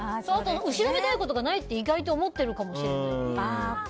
後ろめたいことがないって意外と思ってるかもしれない。